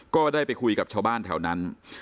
ก็ได้ไปคุยกับชาวบ้านแถวนั้น